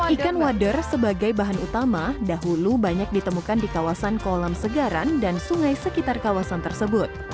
ikan wader sebagai bahan utama dahulu banyak ditemukan di kawasan kolam segaran dan sungai sekitar kawasan tersebut